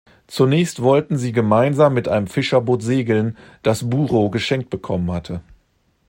Zunächst wollten sie gemeinsam mit einem Fischerboot segeln, das Burow geschenkt bekommen hatte.